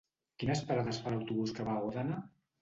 Quines parades fa l'autobús que va a Òdena?